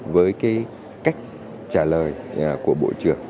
với cái cách trả lời của bộ trưởng